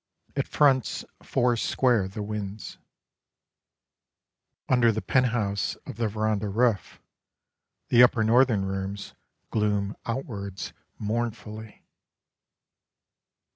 It fronts foursquare the winds. Under the penthouse of the veranda roof, The upper northern rooms Gloom outwards mournfully.